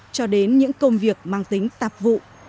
cho đến những công việc mang tính tạp vụ